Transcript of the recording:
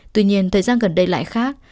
tuy nhiên thời gian gần đây lại khác